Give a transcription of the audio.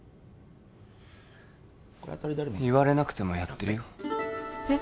言われなくてもやってるよえっ？